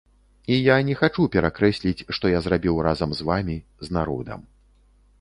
І я не хачу перакрэсліць, што я зрабіў разам з вамі, з народам.